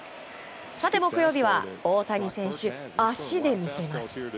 木曜日は大谷選手、足で魅せます。